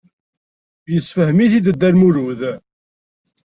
Yessefhem-it-id Dda Lmulud.